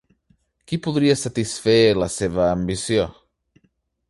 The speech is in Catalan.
Qui podria satisfer la seva ambició?